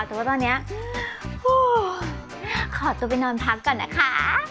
แต่ว่าตอนนี้ขอตัวไปนอนพักก่อนนะคะ